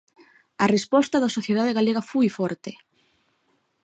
A resposta da sociedade galega foi forte.